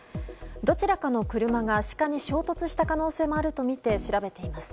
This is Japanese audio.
どちらかの車がシカに衝突した可能性もあるとみて調べています。